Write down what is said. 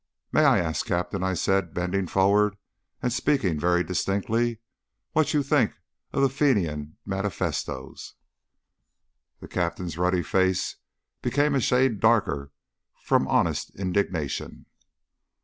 "May I ask, Captain," I said, bending forward and speaking very distinctly, "what you think of Fenian manifestoes?" The Captain's ruddy face became a shade darker from honest indignation.